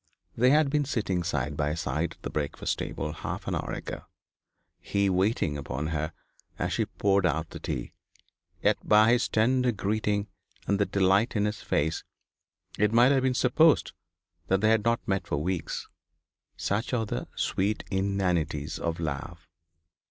They had been sitting side by side at the breakfast table half an hour ago, he waiting upon her as she poured out the tea; yet by his tender greeting and the delight in his face it might have been supposed they had not met for weeks. Such are the sweet inanities of love.